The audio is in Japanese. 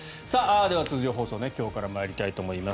通常放送は今日から参りたいと思います。